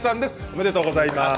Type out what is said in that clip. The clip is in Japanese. おめでとうございます。